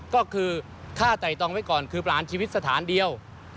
ก็คือฆ่าไต่ตองไว้ก่อนคือประหารชีวิตสถานเดียว